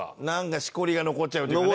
しこりが残っちゃうっていうかね。